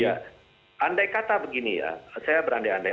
ya andai kata begini ya saya berandai andai